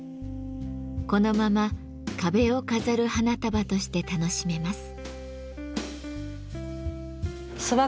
このまま壁を飾る花束として楽しめます。